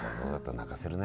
泣かせるね。